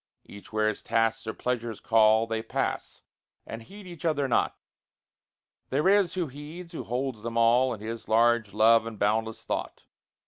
Each where his tasks or pleasures call, They pass, and heed each other not. There is Who heeds, Who holds them all In His large love and boundless thought.